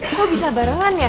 kok bisa barengan ya